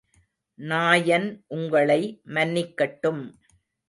நாயன் உங்களை மன்னிக்கட்டும்.